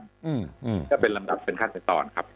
อืมก็เป็นลำดับเป็นขั้นเป็นตอนครับ